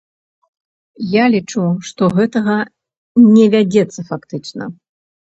Я лічу, што гэтага не вядзецца фактычна.